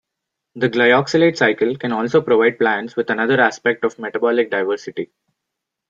The glyoxylate cycle can also provide plants with another aspect of metabolic diversity.